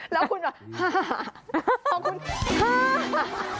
แล้วคุณว่าฮ่าขอบคุณ